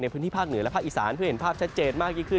พื้นที่ภาคเหนือและภาคอีสานเพื่อเห็นภาพชัดเจนมากยิ่งขึ้น